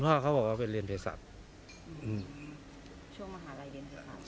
ก็คุณพ่อเขาบอกว่าไปเรียนเพศศัพท์อืมช่วงมหาร่ายเรียนเพศศัพท์